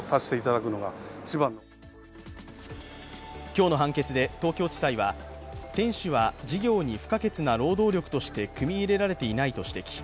今日の判決で東京地裁は店主は事業に不可欠な労働力として組み入れられていないと指摘。